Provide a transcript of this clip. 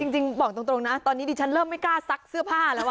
จริงบอกตรงนะตอนนี้ดิฉันเริ่มไม่กล้าซักเสื้อผ้าแล้ว